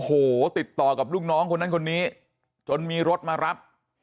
โอ้โหติดต่อกับลูกน้องคนนั้นคนนี้จนมีรถมารับ